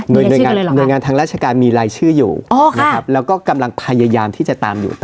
โดยหน่วยงานทางราชการมีรายชื่ออยู่นะครับแล้วก็กำลังพยายามที่จะตามอยู่